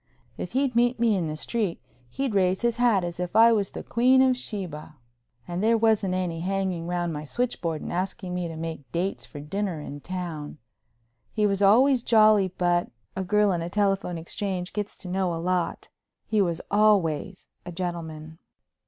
If he'd meet me in the street he'd raise his hat as if I was the Queen of Sheba. And there wasn't any hanging round my switchboard and asking me to make dates for dinner in town. He was always jolly, but—a girl in a telephone exchange gets to know a lot—he was always a gentleman.